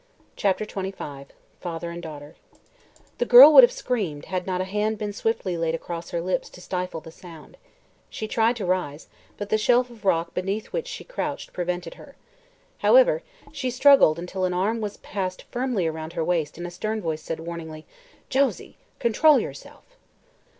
CHAPTER XXV FATHER AND DAUGHTER The girl would have screamed had not a hand been swiftly laid across her lips to stifle the sound. She tried to rise, but the shelf of rock beneath which she crouched prevented her. However, she struggled until an arm was passed firmly around her waist and a stern voice said warningly: "Josie! Control yourself."